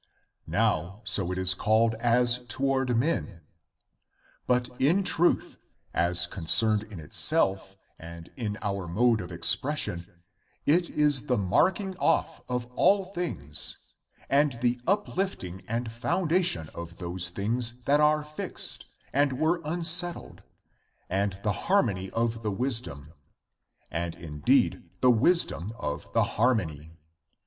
^^ Now, so it is called as toward men. But in truth, as concerned in itself and in our mode of expression, it is the marking off of all things and the uplifting and foundation of those things that are fixed and were unsettled, and the harmony of the wisdom — and indeed the wis dom of the harmony.